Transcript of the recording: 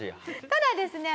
ただですね